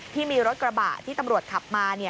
ที่มีรถกระบะที่ตำรวจขับมา